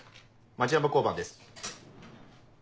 町山交番です。